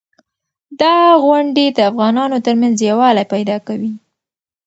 دا غونډې د افغانانو ترمنځ یووالی پیدا کوي.